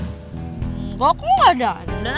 enggak aku gak dandan